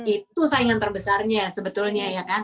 itu saingan terbesarnya sebetulnya ya kan